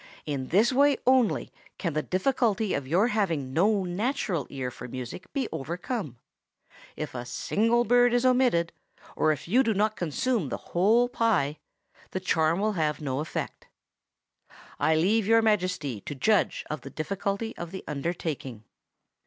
In this way only can the difficulty of your having no natural ear for music be overcome. If a single bird is omitted, or if you do not consume the whole pie, the charm will have no effect. I leave Your Majesty to judge of the difficulty of the undertaking."